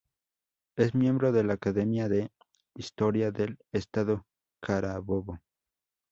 Es miembro de la Academia de Historia del Estado Carabobo.